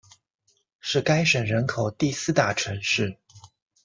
是该省人口第四大城市。